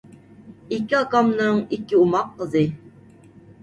ئىككى ئاكامنىڭ ئىككى ئوماق قىزى.